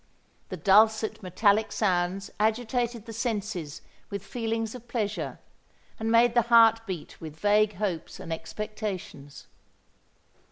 The dulcet, metallic sounds agitated the senses with feelings of pleasure, and made the heart beat with vague hopes and expectations.